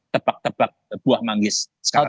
tepat tepat buah manggis sekarang